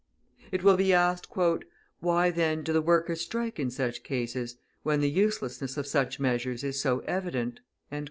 It will be asked, "Why, then, do the workers strike in such cases, when the uselessness of such measures is so evident?"